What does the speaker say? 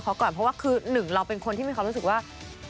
กลับประพอสเตอร์หนูเถอะแม่งไงมี่มา